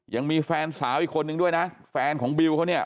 ยังมีแฟนสาวอีกคนนึงด้วยนะแฟนของบิวเขาเนี่ย